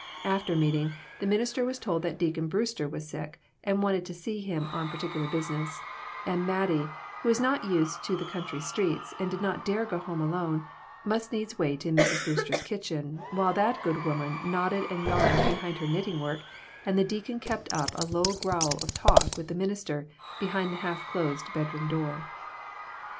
After meeting, the minister was told that Deacon Brewster was sick, and wanted to see him on particular business ; and Mattie, who was not used to the country streets, and did not dare go home alone, must needs wait in Mrs. Brewster's kitchen, while that good woman nod ded and yawned behind her knitting work and the deacon kept up a low growl of talk with the minister, behind the half closed bed room door.